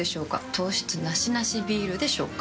糖質ナシナシビールでしょうか？